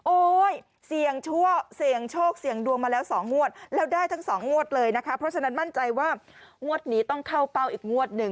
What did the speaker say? โอ้ยเซียงช่วงเงิน๒โงวดแล้วได้ทั้ง๒โงวดเลยเพราะฉะนั้นมั่นใจว่าโงวดนี้ต้องเข้าเปล่าอีกโงวดหนึ่ง